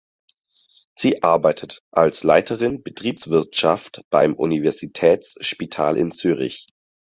Sie arbeitet als Leiterin Betriebswirtschaft beim Universitätsspital in Zürich.